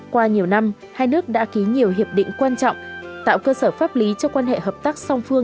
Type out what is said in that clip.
qua nhiều năm hai nước đã ký nhiều hiệp định quan trọng tạo cơ sở pháp lý cho quan hệ hợp tác song phương